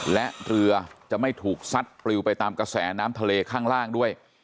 และเรือจะไม่ถูกซัดปลิวไปตามกระแสน้ำทะเลข้างล่างด้วย